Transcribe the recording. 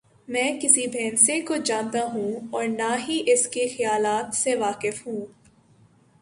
میں کسی بھینسے کو جانتا ہوں اور نہ ہی اس کے خیالات سے واقف ہوں۔